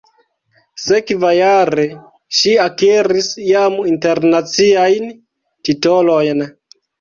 Sekvajare, ŝi akiris jam internaciajn titolojn.